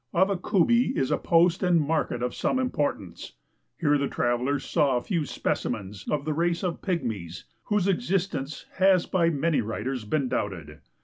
Avakubi is a post and market of some importance. Here the travelers saw a few specimens of the race of pygmies whose ex istence has by many writers been doubted.